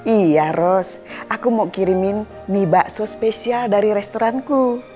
iya ros aku mau kirimin mie bakso spesial dari restoranku